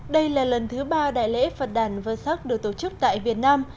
đây là lần thứ ba đại lễ phật đàn vơ sắc được tổ chức tại việt nam